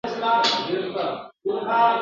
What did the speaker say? o څه ور پنا، څه غر پنا!